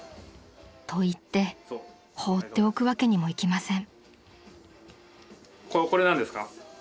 ［といって放っておくわけにもいきません］